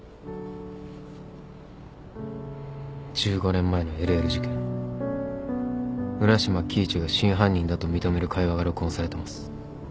１５年前のＬＬ事件浦島亀一が真犯人だと認める会話が録音されてます。